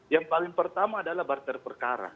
yang paling pertama adalah barter perkara